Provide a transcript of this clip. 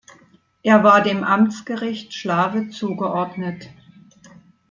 Es war dem Amtsgericht Schlawe zugeordnet.